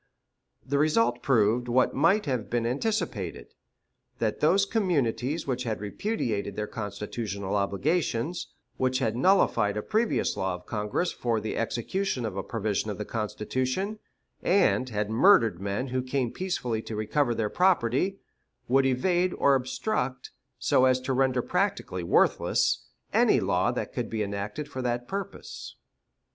The result proved what might have been anticipated that those communities which had repudiated their constitutional obligations, which had nullified a previous law of Congress for the execution of a provision of the Constitution, and had murdered men who came peacefully to recover their property, would evade or obstruct, so as to render practically worthless, any law that could be enacted for that purpose.